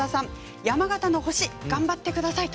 山形の星、頑張ってください。